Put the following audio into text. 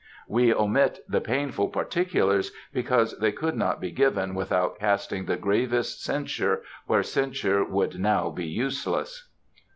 We omit the painful particulars, because they could not be given without casting the gravest censure where censure would now be useless.